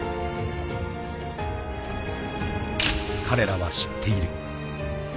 ［彼らは知っている］